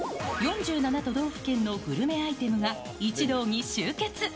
４７都道府県のグルメアイテムが一堂に集結。